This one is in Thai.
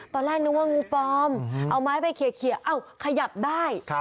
ตอนแรกนึกว่างูปลอมเอาไม้ไปเคลียร์ขยับได้